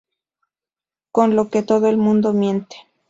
Con lo que todo el mundo miente.